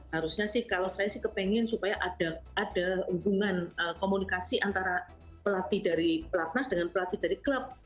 harusnya sih kalau saya sih kepengen supaya ada hubungan komunikasi antara pelatih dari pelatnas dengan pelatih dari klub